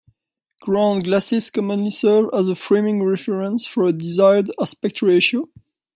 Ground glasses commonly serve as a framing reference for a desired aspect ratio.